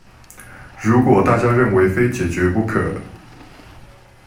如果大家認為非解決不可